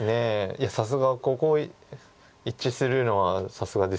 いやさすがここ一致するのはさすがです。